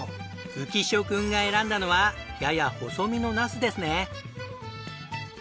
浮所くんが選んだのはやや細身のナスですね。